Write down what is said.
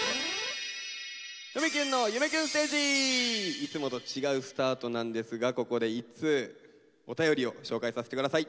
いつもと違うスタートなんですがここで一通お便りを紹介させて下さい。